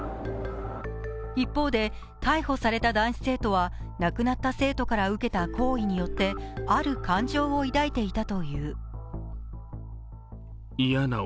一方で逮捕された男子生徒は亡くなった生徒から受けた行為によってある感情を抱いていたという。